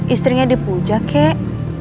istrinya dipuja kek